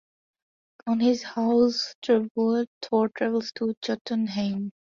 On his horse Treibold, Thor travels to Jotunheim.